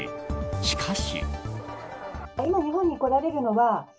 しかし。